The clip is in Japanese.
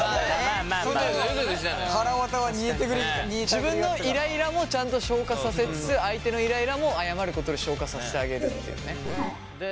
自分のイライラもちゃんと消化させつつ相手のイライラも謝ることで消化させてあげるっていうね。